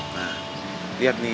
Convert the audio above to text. nah lihat nih